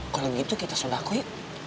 kalau gitu kita sudakui